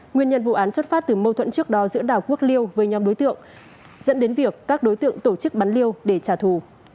nguyên nhân vụ án xuất phát từ mâu thuẫn trước đó giữa đào quốc liêu với nhóm đối tượng dẫn đến việc các đối tượng tổ chức bắn liêu để trả thù